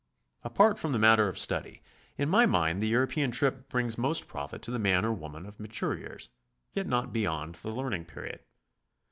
Apart from the matter of study, to my mind the Euro pean trip brings most profit to the man or woman of mature years, yet not beyond the learning period.